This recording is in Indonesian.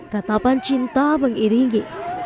ratapan cinta mengiringi